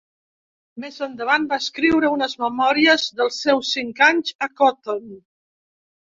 Més endavant va escriure unes memòries dels seus cinc anys a Cotton.